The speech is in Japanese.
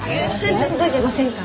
班長届いてませんか？